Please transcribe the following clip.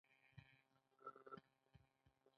پۀ خپله عقيده او نظريه کښې کنفيوز نۀ يم -